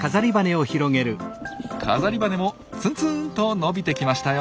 飾り羽もツンツンと伸びてきましたよ。